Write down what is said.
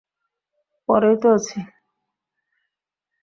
পরেই তো আছি।